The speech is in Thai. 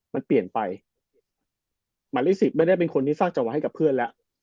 มันเปลี่ยนไปมันลิสิตไม่ได้เป็นคนที่สร้างจังหวะให้กับเพื่อนแล้ว